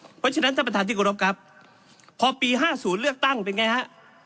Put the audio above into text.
เพราะฉะนั้นท่านประธานที่กรบครับพอปี๕๐เลือกตั้งเป็นไงฮะ